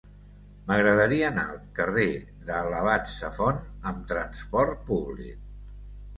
M'agradaria anar al carrer de l'Abat Safont amb trasport públic.